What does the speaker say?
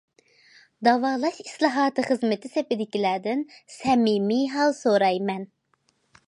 داۋالاش ئىسلاھاتى خىزمىتى سېپىدىكىلەردىن سەمىمىي ھال سورايمەن!